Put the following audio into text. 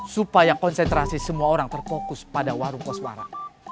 supaya konsentrasi semua orang terfokus pada warung kosbara